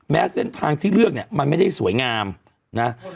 เส้นทางที่เลือกเนี่ยมันไม่ได้สวยงามนะ